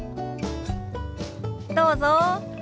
どうぞ。